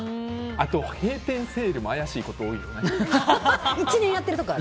閉店セールも怪しいところ多いよね。